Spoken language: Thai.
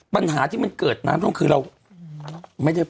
ปัญหาที่มันเกิดมาตรงคือเรา